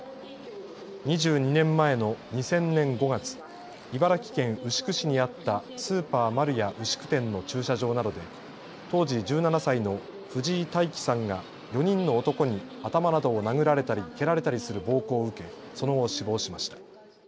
２２年前の２０００年５月、茨城県牛久市にあったスーパーマルヤ牛久店の駐車場などで当時１７歳の藤井大樹さんが４人の男に頭などを殴られたり蹴られたりする暴行を受けその後、死亡しました。